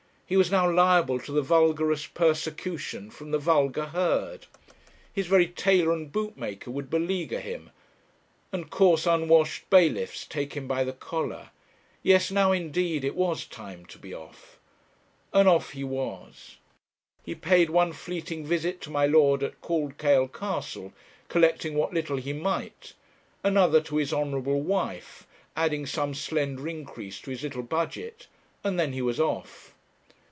He was now liable to the vulgarest persecution from the vulgar herd; his very tailor and bootmaker would beleaguer him, and coarse unwashed bailiffs take him by the collar. Yes, now indeed, it was time to be off. And off he was. He paid one fleeting visit to my Lord at Cauldkail Castle, collecting what little he might; another to his honourable wife, adding some slender increase to his little budget, and then he was off.